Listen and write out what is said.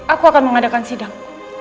aku akan mengadakan sidang